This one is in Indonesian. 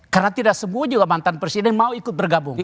karena tidak semua juga mantan presiden mau ikut bergabung